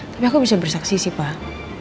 tapi aku bisa bersaksi sih pak